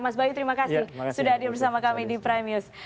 mas bayu terima kasih sudah hadir bersama kami di prime news